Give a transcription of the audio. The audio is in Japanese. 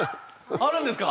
あるんですか？